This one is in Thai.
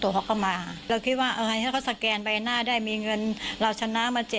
เขาก็มาเราคิดว่าถ้าเขาสแกนใบหน้าได้มีเงินเราชนะมา๗๐